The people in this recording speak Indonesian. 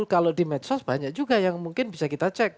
kalau di medsos banyak juga yang mungkin bisa kita cek